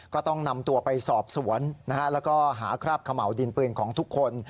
ก็ต้องนำตัวไปสอบสวนแล้วก็หาคราบเขม่าวดินปืนของทุกคน